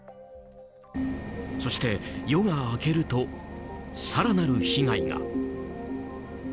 そして、夜が明けると更なる被害が。